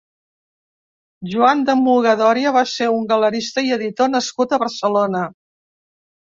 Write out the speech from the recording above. Joan de Muga Dòria va ser un galerista i editor nascut a Barcelona.